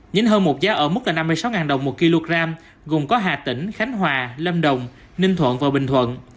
nhìn hơn một giá ở mức là năm mươi sáu đồng một kg gồm có hà tĩnh khánh hòa lâm đồng ninh thuận và bình thuận